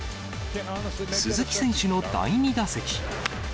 鈴木選手の第２打席。